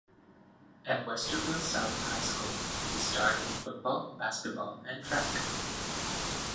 At Westerville South High School, he starred in football, basketball, and track.